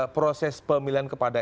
proses pemilihan kepada